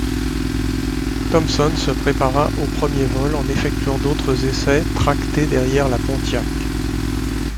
Thompson se prépara au premier vol en effectuant d'autres essais tractés derrière la Pontiac.